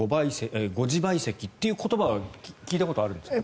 ５自賠責という言葉は聞いたことあるんですか？